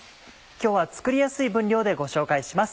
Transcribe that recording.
今日は作りやすい分量でご紹介します。